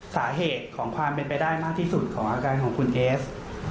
สาเหตุของความเป็นไปได้มากที่สุดของอาการของคุณเอส